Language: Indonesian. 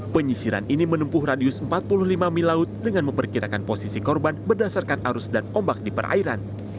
penyisiran ini menempuh radius empat puluh lima mil laut dengan memperkirakan posisi korban berdasarkan arus dan ombak di perairan